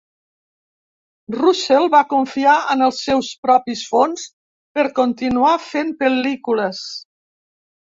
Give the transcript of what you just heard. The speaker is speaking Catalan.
Russell va confiar en els seus propis fons per continuar fent pel·lícules.